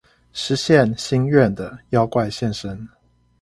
實現心願的妖怪現身